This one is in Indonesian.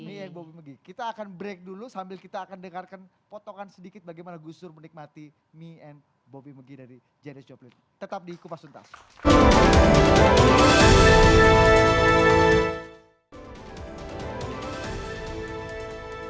me and bobby mcgee kita akan break dulu sambil kita akan dengarkan potongan sedikit bagaimana gus dur menikmati me and bobby mcgee dari janice joplin tetap di kupas untang